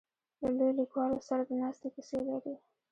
له لویو لیکوالو سره د ناستې کیسې لري.